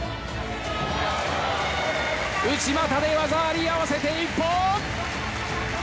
内股で技あり合わせて一本！